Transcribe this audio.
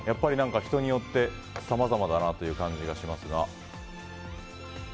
人によってさまざまだなという感じがしますが。